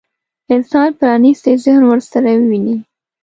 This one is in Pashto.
انسان پرانيستي ذهن ورسره وويني.